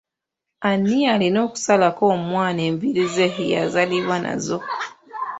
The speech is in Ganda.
Ani alina okusalako omwana enviiri ze yazaalibwa nazo?